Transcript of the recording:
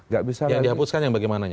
yang dihapuskan yang bagaimana